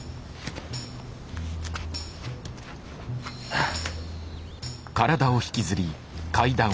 はあ。